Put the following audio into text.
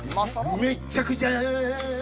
めっちゃくちゃ